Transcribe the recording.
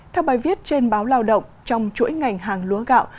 theo bài viết trên báo lao động trong chuỗi ngành hàng lúa gạo